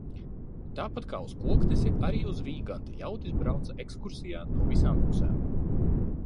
Tāpat kā uz Koknesi, arī uz Vīganti ļaudis brauca ekskursijā no visām pusēm.